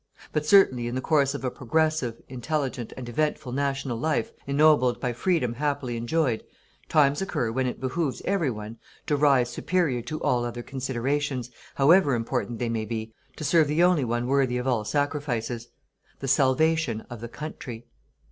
But certainly in the course of a progressive, intelligent and eventful national life, ennobled by Freedom happily enjoyed, times occur when it behooves every one to rise superior to all other considerations, however important they may be, to serve the only one worthy of all sacrifices: the salvation of the country.